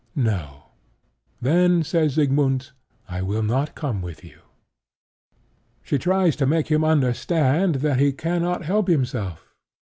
No. Then, says Siegmund, I will not come with you. She tries to make him understand that he cannot help himself.